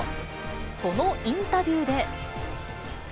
そのインタビューで。